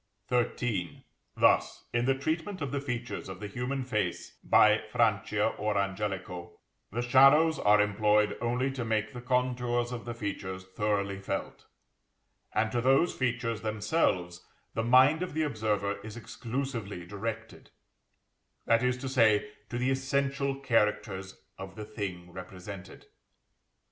XIII. Thus, in the treatment of the features of the human face by Francia or Angelico, the shadows are employed only to make the contours of the features thoroughly felt; and to those features themselves the mind of the observer is exclusively directed (that is to say, to the essential characters of the thing represented).